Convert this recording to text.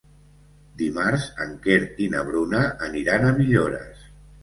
Dimarts en Quer i na Bruna aniran a Villores.